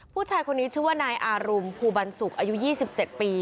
ผู้ชายคนนี้ชื่อว่านายอารุมภูบันสุกอายุ๒๗ปี